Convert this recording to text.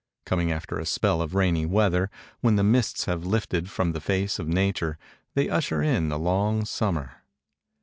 Coming after a spell of rainy weather, when the mists have lifted from the face of nature, they usher in the long summer.